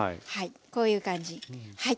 こういう感じはい。